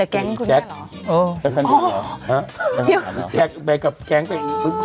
ก็ไม่เห็นมีให้มาพอเลยนะ